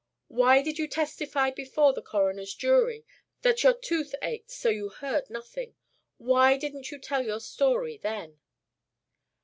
Why did you testify before the coroner's jury that your tooth ached so you heard nothing? Why didn't you tell your story then?"